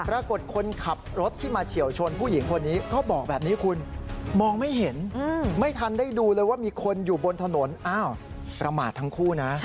คนขับรถที่มาเฉียวชนผู้หญิงคนนี้ก็บอกแบบนี้คุณมองไม่เห็นไม่ทันได้ดูเลยว่ามีคนอยู่บนถนนอ้าวประมาททั้งคู่นะ